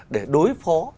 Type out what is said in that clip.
để đối phó